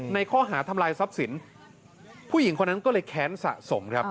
ในข้อหาทำลายทรัพย์สินผู้หญิงคนนั้นก็เลยแค้นสะสมครับ